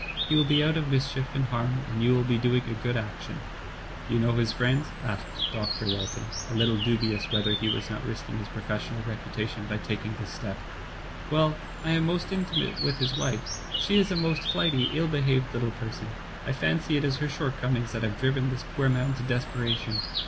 He will be out of mischief and harm, and you will be doing a good action." "You know his friends?" asked Dr. Walton, a little dubious whether he was not risking his pro fessional reputation by taking this step. "Well, I am most intimate with his wife. She is a most flighty, ill behaved little person. I fancy it is her shortcomings that have driven this poor man to desperation.